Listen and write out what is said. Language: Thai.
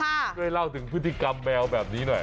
เราก็จะเล่าถึงพฤติรับแมวแบบนี้หน่อย